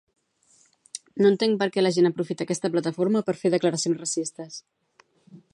No entenc perquè la gent aprofita aquesta plataforma per fer declaracions racistes